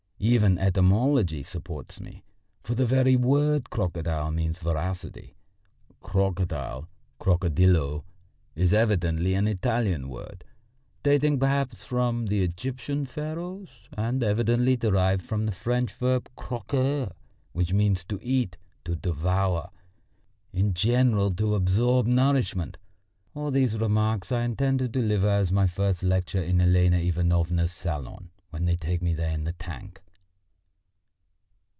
Even etymology supports me, for the very word crocodile means voracity. Crocodile crocodillo is evidently an Italian word, dating perhaps from the Egyptian Pharaohs, and evidently derived from the French verb croquer, which means to eat, to devour, in general to absorb nourishment. All these remarks I intend to deliver as my first lecture in Elena Ivanovna's salon when they take me there in the tank."